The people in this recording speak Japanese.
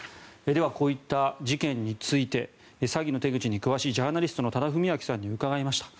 こういった事件について詐欺の手口に詳しいジャーナリストの多田文明さんに伺いました。